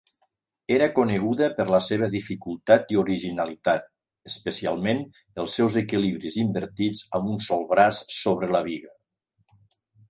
Era coneguda per la seva dificultat i originalitat, especialment els seus equilibris invertits amb un sol braç sobre la biga.